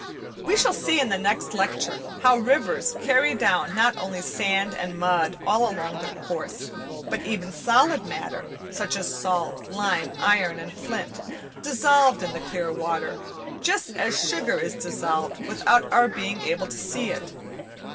We shall see in the next lecture how rivers carry down not only sand and mud all along their course, but even solid matter such as salt, lime, iron, and flint, dissolved in the clear water, just as sugar is dissolved, without our being able to see it.